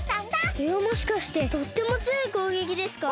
それはもしかしてとってもつよいこうげきですか？